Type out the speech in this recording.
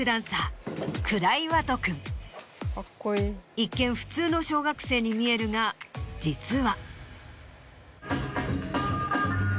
一見普通の小学生に見えるが実は。